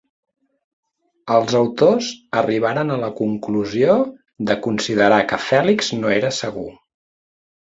Els autors arribaren a la conclusió de considerar que Phelix no era segur.